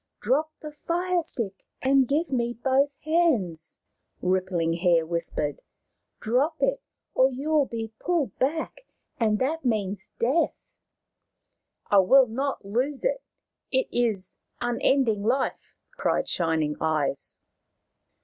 " Drop the fire stick and give me both hands/" Rippling Hair whispered. " Drop it, or you will be pulled back, and that means death." " I will not lose it. It is unending life !" cried Shining Eyes.